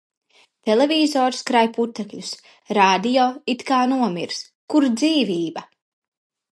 Televizors krāj putekļus. Radio it kā nomiris. Kur dzīvība?